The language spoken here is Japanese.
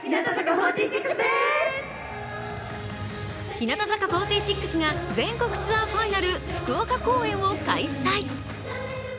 日向坂４６が全国ツアーファイナル福岡公演を開催。